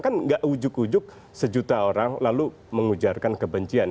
kan nggak ujuk ujuk sejuta orang lalu mengujarkan kebencian